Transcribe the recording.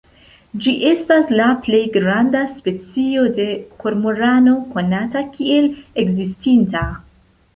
Ĝi estas la plej granda specio de kormorano konata kiel ekzistinta.